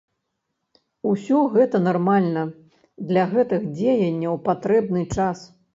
Усё гэта нармальна, для гэтых дзеянняў патрэбны час.